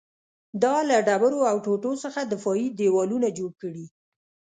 دا له ډبرو او ټوټو څخه دفاعي دېوالونه جوړ کړي